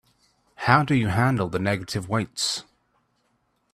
How do you handle the negative weights?